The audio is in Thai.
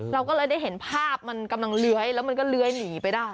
เราก็เลยได้เห็นภาพมันกำลังเลื้อยแล้วมันก็เลื้อยหนีไปได้